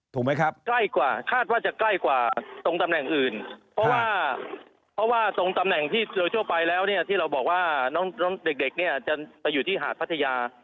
ถูกไหมครับใกล้กว่าคาดว่าจะใกล้กว่าตรงตำแหน่งอื่นเพราะว่าเพราะว่าตรงตำแหน่งที่โดยทั่วไปแล้วเนี่ยที่เราบอกว่าน้องเด็กเนี่ยจะไปอยู่ที่หาดพัทยา